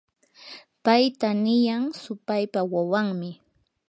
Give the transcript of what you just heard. payta niyan supaypa wawanmi.